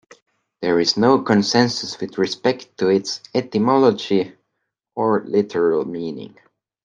There is no consensus with respect to its etymology or literal meaning.